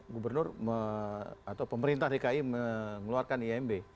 gubernur atau pemerintah dki mengeluarkan imb